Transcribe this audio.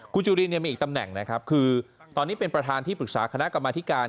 คุณจุลินมีอีกตำแหน่งนะครับคือตอนนี้เป็นประธานที่ปรึกษาคณะกรรมธิการ